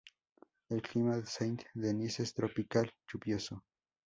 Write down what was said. El clima de Saint-Denis es tropical lluvioso.